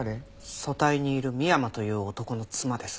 組対にいる深山という男の妻です。